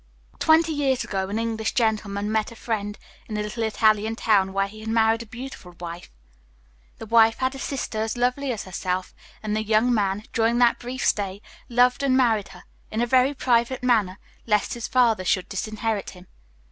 "Twenty years ago, an English gentleman met a friend in a little Italian town, where he had married a beautiful wife. The wife had a sister as lovely as herself, and the young man, during that brief stay, loved and married her in a very private manner, lest his father should disinherit him.